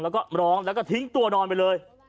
แล้วก็ร้องแล้วก็ทิ้งตัวนอนไปเลย